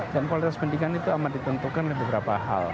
dan kualitas pendidikan itu amat ditentukan oleh beberapa hal